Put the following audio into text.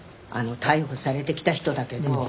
あの逮捕されてきた人だけど。